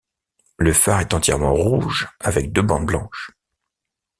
Le phare est entièrement rouge avec deux bandes blanches.